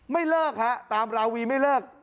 ไม่เลิกฮะตามราวีไม่เลิก